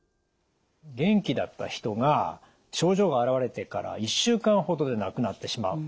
元気だった人が症状が現れてから１週間ほどで亡くなってしまう。